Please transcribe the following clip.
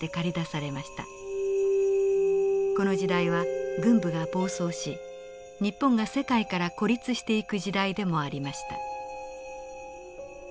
この時代は軍部が暴走し日本が世界から孤立していく時代でもありました。